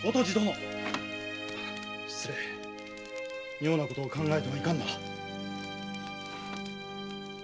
妙なことを考えてはいかんな。